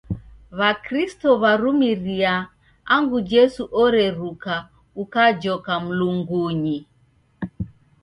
W'akristo w'arumiria angu Jesu oreruka ukajoka Mlungunyi.